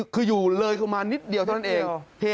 คืออยู่เลยลงมานิดเดียวเท่านั้นเอง